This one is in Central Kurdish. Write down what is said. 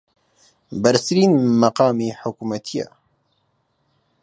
بەرزترین مەقامی حکوومەتییە